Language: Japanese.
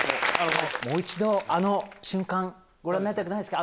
もう一度あの瞬間ご覧になりたくないですか？